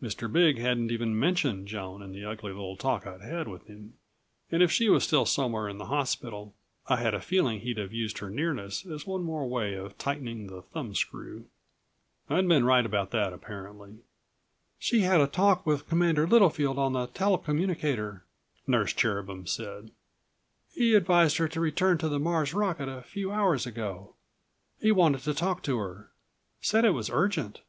Mr. Big hadn't even mentioned Joan in the ugly little talk I'd had with him, and if she was still somewhere in the hospital I had a feeling he'd have used her nearness as one more way of tightening the thumbscrew. I'd been right about that, apparently. "She had a talk with Commander Littlefield on the tele communicator," Nurse Cherubin said. "He advised her to return to the Mars' rocket a few hours ago. He wanted to talk to her ... said it was urgent